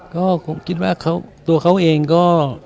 ก็คิดว่าตัวเขาเองก็